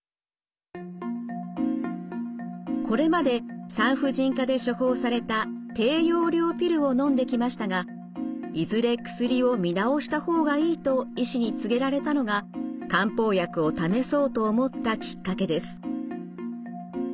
これまで産婦人科で処方された低用量ピルをのんできましたがいずれ薬を見直した方がいいと医師に告げられたのが漢方薬を試そうと思ったきっかけです。